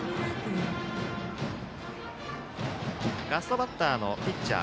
ラストバッター、ピッチャー